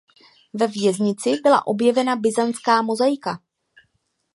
Ve věznici byla objevena byzantská mozaika.